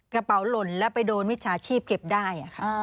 กระเป๋าหล่นแล้วไปโดนมิจฉาชีพเก็บได้